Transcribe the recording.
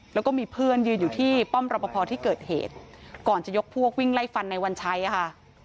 แล้วก็มีเพื่อนยืนอยู่ที่ป้อมรับประพอที่เกิดเหตุก่อนจะยกพวกวิ่งไล่ฟันในวันชัยค่ะ